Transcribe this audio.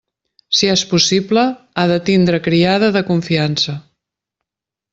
Si és possible, ha de tindre criada de confiança.